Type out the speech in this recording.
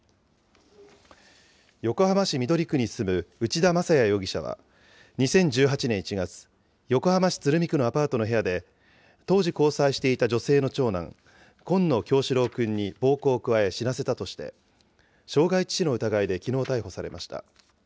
横浜市緑区に住む内田正也容疑者は２０１８年１月、横浜市鶴見区のアパートの部屋で、当時交際していた女性の長男、紺野叶志郎くんに暴行を加え死なせたとして、傷害致死の疑いできのう逮捕されました。